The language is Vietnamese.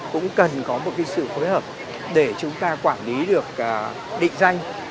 cũng cần có một sự phối hợp để chúng ta quản lý được định danh